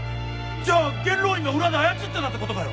じゃあ元老院が裏で操ってたってことかよ